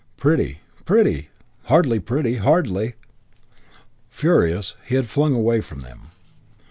"Pretty pretty! Hardly pretty hardly !" Furious, he had flung away from them.